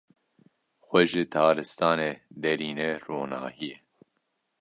Xwe ji taristanê derîne ronahiyê.